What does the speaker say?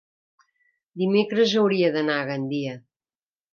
Dimecres hauria d'anar a Gandia.